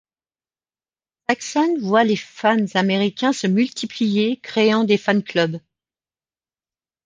Saxon voit les fans américains se multiplier, créant des fans clubs.